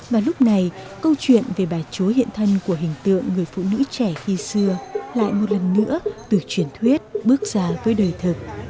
và lúc này câu chuyện về bà chúa hiện thân của hình tượng người phụ nữ trẻ khi xưa lại một lần nữa từ truyền thuyết bước ra với đời thực